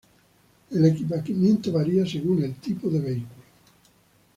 El equipamiento varía según el tipo del vehículo.